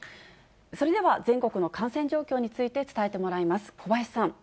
それでは、全国の感染状況について伝えてもらいます。